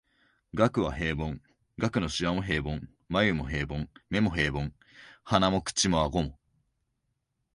額は平凡、額の皺も平凡、眉も平凡、眼も平凡、鼻も口も顎も、